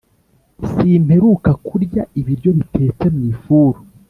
Simperuka kurya ibiryo bitetse mwifuru